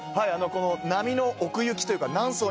この波の奥行きというか。